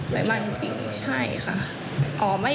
ไหลมาจริงใช่ค่ะ